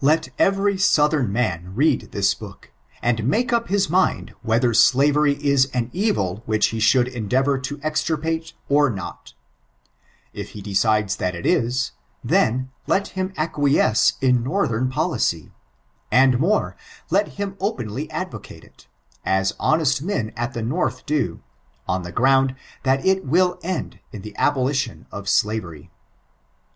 Let every Soothern man read thia book, end Bake up his mied whether slavery is an evil which be shoold andeevor to estixpete or noC * If he decides that it ia, then, let hiss tqoiesce Ib Northsm policy, and more, let him openly advocate it, as honest sbbd tl the North do, oo the fpnoond that it will end in the abolition of slaveiy.